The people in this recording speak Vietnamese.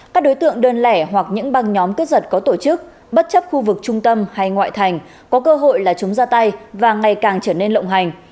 các đối tượng đơn lẻ hoặc những băng nhóm cướp giật có tổ chức bất chấp khu vực trung tâm hay ngoại thành có cơ hội là chúng ra tay và ngày càng trở nên lộng hành